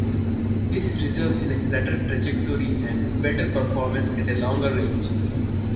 This results in a flatter trajectory and better performance at longer range.